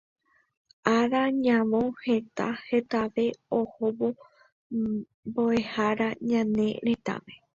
Ára ñavõ heta hetave ohóvo mbo'ehára ñane retãme